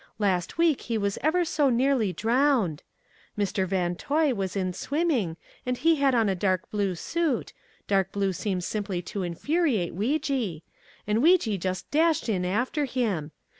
Last week he was ever so nearly drowned. Mr. Van Toy was in swimming, and he had on a dark blue suit (dark blue seems simply to infuriate Weejee) and Weejee just dashed in after him.